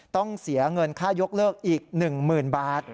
ต้องเสียเงินค่ายกเลิกอีก๑๐๐๐บาท